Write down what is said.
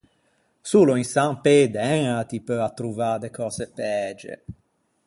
Solo in San Pê d'Æña ti peu attrovâ de cöse pæge.